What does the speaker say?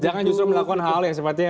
jangan justru melakukan hal yang sepertinya